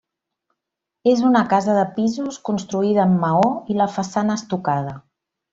És una casa de pisos construïda amb maó i la façana estucada.